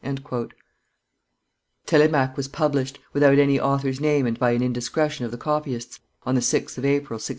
Telemaque was published, without any author's name and by an indiscretion of the copyist's, on the 6th of April, 1699.